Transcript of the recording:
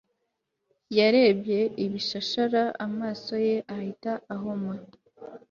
Yarebye ibishashara amaso ye ahita ahuma